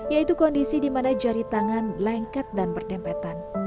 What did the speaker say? yaitu kondisi dimana jari tangan lengket dan bertempetan